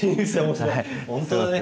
本当だね。